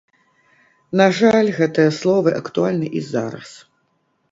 На жаль, гэтыя словы актуальны і зараз.